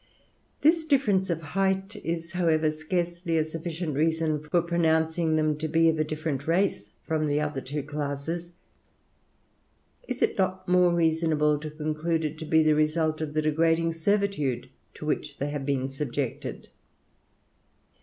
This difference of height is, however, scarcely a sufficient reason for pronouncing them to be of a different race from the other two classes; is it not more reasonable to conclude it to be the result of the degrading servitude to which they have been subjected?